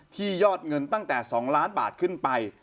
ยอดเงินตั้งแต่๒ล้านบาทขึ้นไป